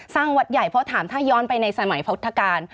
วัดใหญ่เพราะถามถ้าย้อนไปในสมัยพุทธกาล